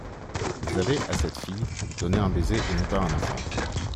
Vous avez, à cette fille, donné un baiser et non pas un enfant.